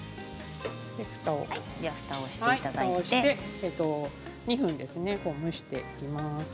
ふたをして２分ですね蒸していきます。